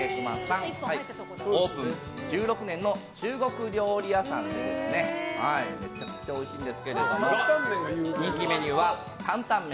オープン１６年の中国料理屋さんでめちゃめちゃおいしいんですが人気メニューは担々麺。